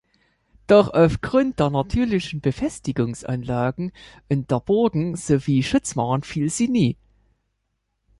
Doch aufgrund der natürlichen Befestigungsanlagen und der Burgen sowie Schutzmauern fiel sie nie.